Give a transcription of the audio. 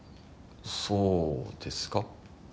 そうですか？